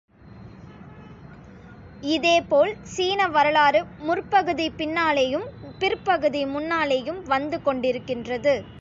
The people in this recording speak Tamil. இதேபோல் சீன வரலாறு முற்பகுதி பின்னாலேயும், பிற்பகுதி முன்னாலேயும் வந்து கொண்டிருக்கின்றது.